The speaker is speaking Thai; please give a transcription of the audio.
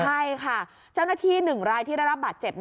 ใช่ค่ะเจ้าหน้าที่๑รายที่ได้รับบาดเจ็บ